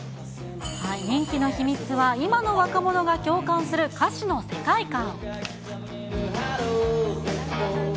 人気の秘密は、今の若者が共感する歌詞の世界観。